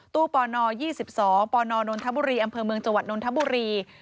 ตู้ปน๒๒ปนนนทบุรีอำเภอเมืองจวดนทบุรี